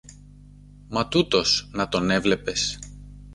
Μα τούτος! Να τον έβλεπες!